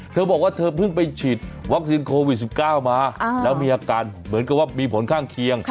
เธอบอกว่าเธอเพิ่งไปฉีดวัคซีนโควิด๑๙มาแล้วมีอาการเหมือนกับว่ามีผลข้างเคียง